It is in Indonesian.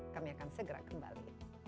kami akan segera kembali